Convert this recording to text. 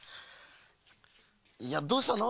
いやどうしたの？